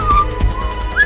pola p monster ya